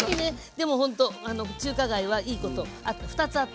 でもほんと中華街はいいこと２つあった。